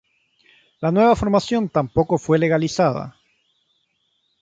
La nueva formación tampoco fue legalizada.